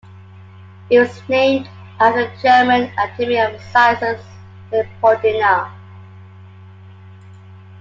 It was named after the German Academy of Sciences Leopoldina.